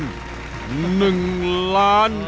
มากกว่า๑ล้าน